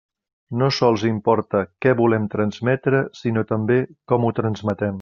No sols importa què volem transmetre sinó també com ho transmetem.